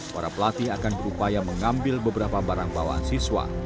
para pelatih akan berupaya mengambil beberapa barang bawaan siswa